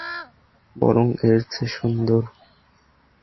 বরং এর চেয়ে সুন্দর।